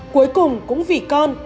cuối cùng cũng vì con